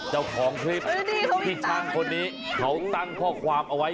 เจ้าของคลิปที่ช่างคนนี้เขาตั้งข้อความเอาไว้